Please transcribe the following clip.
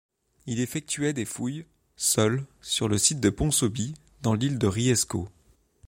Il effectuait des fouilles, seul, sur le site de Ponsonby, dans l'île de Riesco.